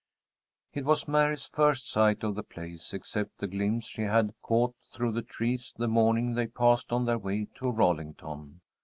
It was Mary's first sight of the place, except the glimpse she had caught through the trees the morning they passed on their way to Rollington.